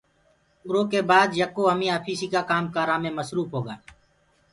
اُرو ڪي باد يڪو همي آفيٚسيٚ ڪآ ڪآم ڪارآ مي مسروڦ هوگآ۔